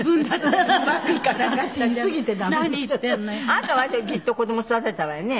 あなた割とじっと子供育てたわよね？